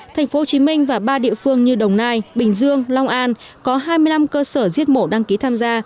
tp hcm và ba địa phương như đồng nai bình dương long an có hai mươi năm cơ sở giết mổ đăng ký tham gia